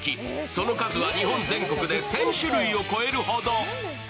その数は日本全国で１０００種類を超えるほど。